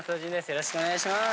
よろしくお願いします。